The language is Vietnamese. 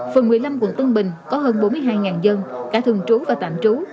phường một mươi năm quận tân bình có hơn bốn mươi hai dân cả thường trú và tạm trú